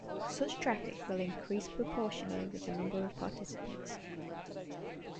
Such traffic will increase proportionally with the number of participants.